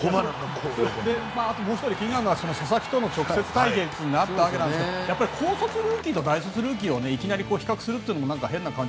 もう１人気になるのは佐々木との直接対決になったわけなんですが高卒ルーキーと大卒ルーキーをいきなり比較するのも変な感じ。